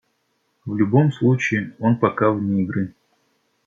В любом случае, он пока вне игры.